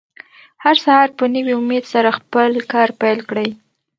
هر سهار په نوي امېد سره خپل کار پیل کړئ.